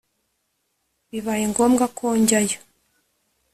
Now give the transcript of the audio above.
bibaye ngombwa ko njyayo